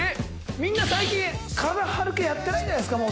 みんな最近体張る系やってないんじゃないですか？